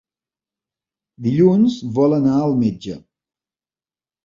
Dilluns vol anar al metge.